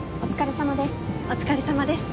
お疲れさまです。